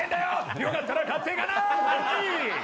よかったら買っていかない？